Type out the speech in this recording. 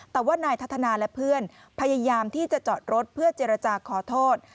แต่ว่านายทัศนาและเพื่อนพยายามที่จะจอดรถเพื่อเจรจาขอโทษ